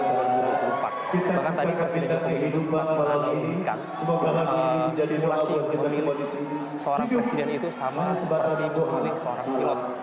bahkan tadi presiden joko widodo juga telah menunjukkan simulasi memilih seorang presiden itu sama seperti memilih seorang pilot